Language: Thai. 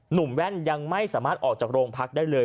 แว่นยังไม่สามารถออกจากโรงพักได้เลย